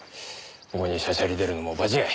ここにしゃしゃり出るのも場違い。